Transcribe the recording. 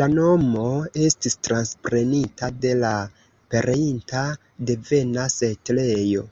La nomo estis transprenita de la pereinta devena setlejo.